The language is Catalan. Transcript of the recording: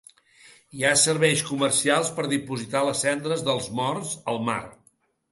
Hi ha serveis comercials per dipositar les cendres dels morts al mar.